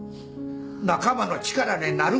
仲間の力になる。